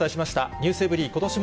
ｎｅｗｓｅｖｅｒｙ．ことしも